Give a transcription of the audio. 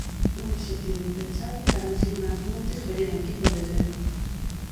Un obxectivo impensable cando os irmáns Montes colleron o equipo en decembro.